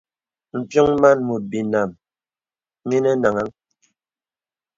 M̀pyōŋ màn mùt binām mìnə̀ daŋ̄aŋ.